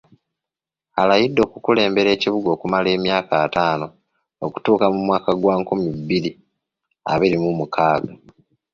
Alayidde okukulembera ekibuga okumala emyaka ettaano okutuuka mu mwaka gwa nkumi bbiri abiri mu mukaaga.